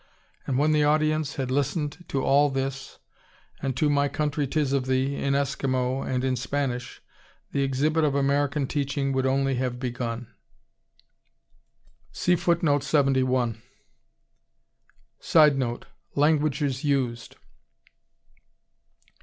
And when the audience had listened to all this and to "My country, 'tis of thee" in Eskimo and in Spanish, the exhibit of American teaching would have only begun. [Sidenote: Languages used.